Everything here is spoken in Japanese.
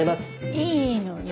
いいのよ。